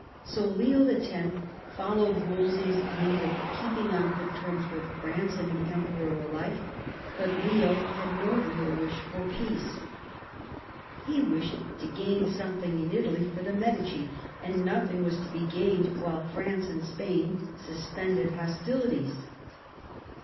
So Leo X. followed Wolsey's lead of keep ing on good terms with France and the Emperor alike ; but Leo had no real wish for peace. He wished to gain something in Italy for the Medici, and nothing was to be gained while France and Spain suspended hostili ties.